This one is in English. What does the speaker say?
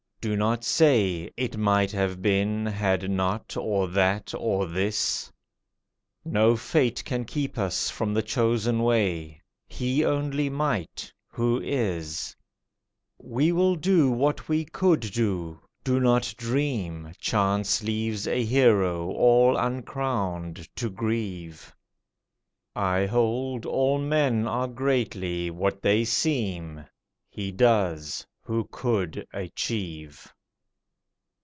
Do not say, "It might have been, had not or that, or this." No fate can keep us from the chosen way; He only might, who is. We will do what we could do. Do not dream Chance leaves a hero, all uncrowned to grieve. I hold, all men are greatly what they seem; He does, who could achieve.